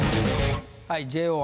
はいＪＯ１。